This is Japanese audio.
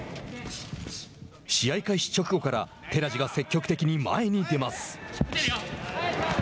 試合開始直後から寺地が積極的に前に出ます。